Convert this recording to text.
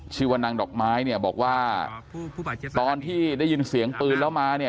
ชื่อว่านางดอกไม้เนี่ยบอกว่าตอนที่ได้ยินเสียงปืนแล้วมาเนี่ย